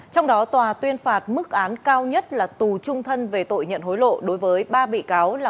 trong đó tòa tuyên phạt mức án cao nhất là tù trung thân về tội nhận hối lộ đối với ba bị cáo là